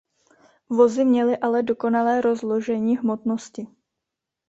Vozy měly ale dokonalé rozložení hmotnosti.